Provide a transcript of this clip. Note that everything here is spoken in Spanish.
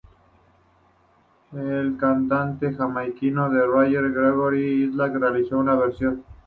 El cantante jamaicano de reggae Gregory Isaacs realizó una versión.